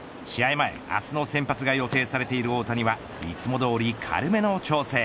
前、明日の先発が予定されている大谷はいつもどおり軽めの調整。